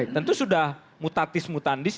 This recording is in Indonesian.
tentu sudah mutatis mutandis